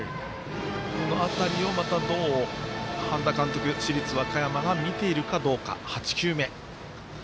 あの辺りを、どう半田監督市立和歌山が見ているかどうか。